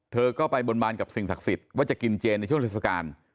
เธอก็ไปบนบานกับสิ่งศักดิ์สิทธิ์ว่าจะกินเจนในช่วงเทศกาล